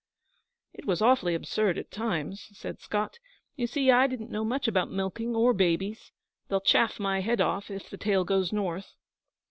'It was awfully absurd at times,' said Scott. 'You see I didn't know much about milking or babies. They'll chaff my head off, if the tale goes north.'